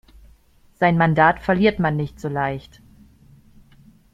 Sein Mandat verliert man nicht so leicht.